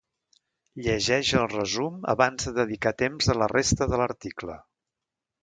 Llegeix el resum abans de dedicar temps a la resta de l'article.